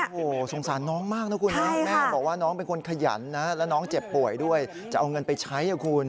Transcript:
โอ้โหสงสารน้องมากนะคุณนะแม่บอกว่าน้องเป็นคนขยันนะแล้วน้องเจ็บป่วยด้วยจะเอาเงินไปใช้อ่ะคุณ